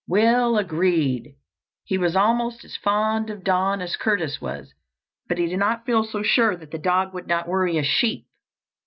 Will agreed. He was almost as fond of Don as Curtis was. But he did not feel so sure that the dog would not worry a sheep.